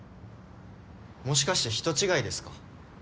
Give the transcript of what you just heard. もしかして人違いですか？